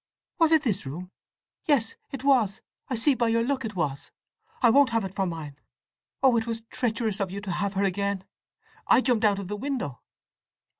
"Was it this room? Yes it was—I see by your look it was! I won't have it for mine! Oh it was treacherous of you to have her again! I jumped out of the window!"